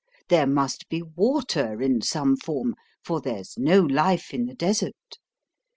There must be water in some form, for there's no life in the desert.